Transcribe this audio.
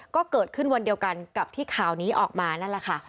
ก็เกิดเกิดขึ้นวันเดียวกันที่ข่าวนี้ออกมานั่นแหละ